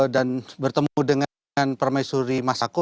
dan bertemu dengan permaisuri masako